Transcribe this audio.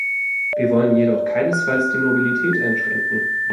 Wir wollen jedoch keinesfalls die Mobilität einschränken.